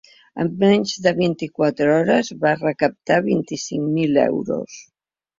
En menys de vint-i-quatre hores va recaptar vint-i-cinc mil euros.